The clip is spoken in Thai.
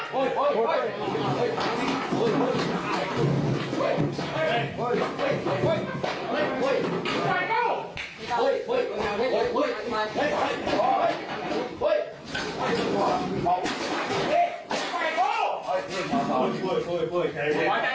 มึงเป็นหน้าศักดิ์ฐาน